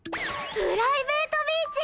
プライベートビーチ！？